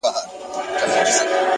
پرمختګ د کوچنیو بریاوو زنجیر دی!.